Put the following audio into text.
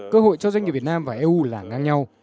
cơ hội cho doanh nghiệp việt nam và eu là ngang nhau